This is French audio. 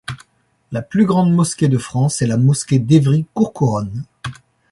La plus grande mosquée de France est la mosquée d'Évry-Courcouronnes.